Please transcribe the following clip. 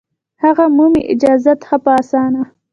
هغه مومي اجازت ښه په اسانه